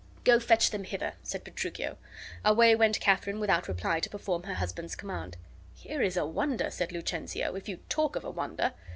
"Go, fetch them hither!" said Petruchio. Away went Katharine without reply to perform her husband's command. "Here is a wonder," said Lucentio, "if you talk of a wonder."